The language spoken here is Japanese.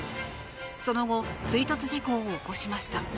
その後追突事故を起こしました。